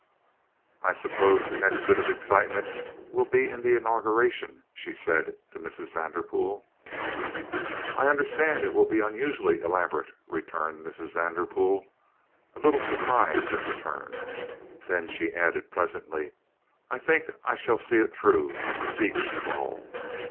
"I suppose the next bit of excitement will be in the inauguration," she said to Mrs. Vanderpool. "I understand it will be unusually elaborate," returned Mrs. Vanderpool, a little surprised at the turn. Then she added pleasantly: "I think I shall see it through, from speech to ball."